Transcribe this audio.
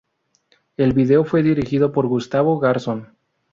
El video fue dirigido por Gustavo Garzón.